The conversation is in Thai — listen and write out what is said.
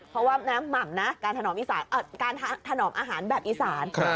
เพราะว่ามักนะการถนอมอาหารแบบอีสาน